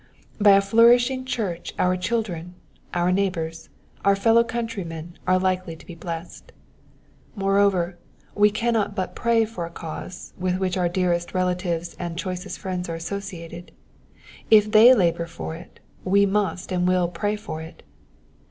By a flourishing church our children, our neighbours, our fellow countrymen are likely to be blest. Moreover, we cannot but pray for a cause with which our dearest relatives and choicest friends are associated : if they labour for it, we must and will pray for it.